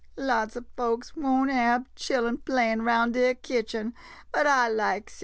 Lots ob folks won't hab chillen playin' roun' deir kitchen, but I likes it.